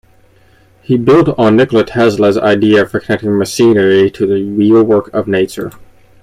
He built on Nikola Tesla's idea for connecting machinery to the "wheelwork of nature".